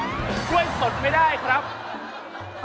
กล้วยสดไม่ได้ครับ